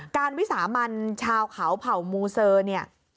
การวิสามัญชาวเขาเผ่ามูเสอเนี่ย